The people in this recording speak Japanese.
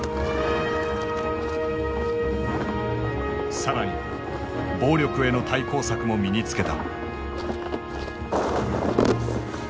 更に暴力への対抗策も身につけた。